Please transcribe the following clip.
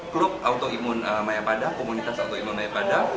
klub autoimun mayapada komunitas autoimun mayapada